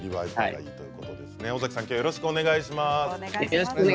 尾崎さん、きょうもよろしくお願いします。